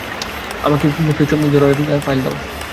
আমাকে ফিটজরয়ের ফাইল দাও।